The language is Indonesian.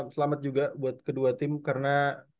selamat juga buat kedua tim karena